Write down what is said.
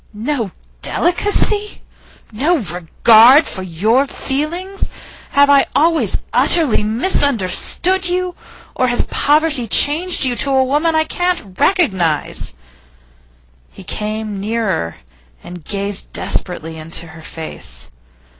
'No delicacy? No regard for your feelings? Have I always utterly misunderstood you? Or has poverty changed you to a woman I can't recognise?' He came nearer, and gazed desperately into her face.